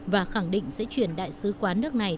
và khẳng định sẽ chuyển đại sứ quán nước này